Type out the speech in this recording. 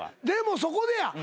でもそこでや。